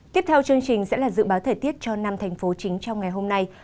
tiếp theo chương trình sẽ là dự báo thời tiết cho năm thành phố chính trong ngày hôm nay